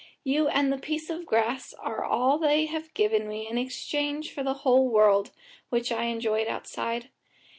You and the piece of grass are all they have given me in exchange for the whole world, which I enjoyed outside.